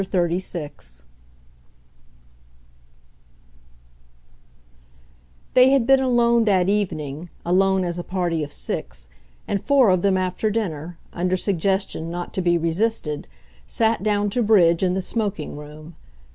XXXVI They had been alone that evening alone as a party of six, and four of them, after dinner, under suggestion not to be resisted, sat down to "bridge" in the smoking room.